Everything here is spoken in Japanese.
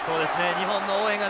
日本の応援がね